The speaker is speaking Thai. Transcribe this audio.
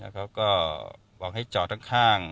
แล้วเขาก็บอกให้เจาะทางข้าง